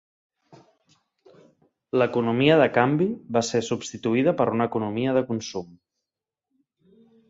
L'economia de canvi va ser substituïda per una economia de consum.